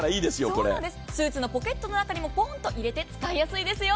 スーツのポケットの中にもポンと入れて使いやすいですよ。